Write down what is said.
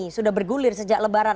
sudah bergulir sejak lebaran